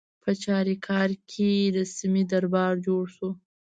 په چاریکار کې رسمي دربار جوړ شو.